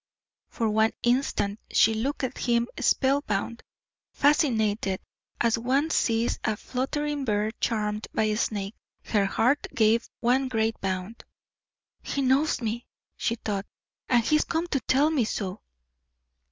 For one instant she looked at him spell bound, fascinated, as one sees a fluttering bird charmed by a snake. Her heart gave one great bound. "He knows me!" she thought, "and he is come to tell me so!"